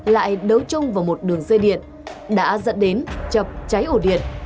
lại đấu chung vào một đường dây điện đã dẫn đến chập cháy ổ điện